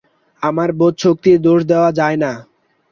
আপনার বোধশক্তির দোষ দেওয়া যায় না।